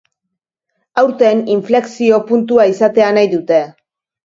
Aurten inflexio-puntua izatea nahi dute.